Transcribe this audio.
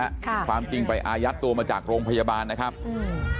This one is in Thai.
ค่ะความจริงไปอายัดตัวมาจากโรงพยาบาลนะครับอืม